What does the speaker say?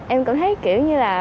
em cảm thấy kiểu như là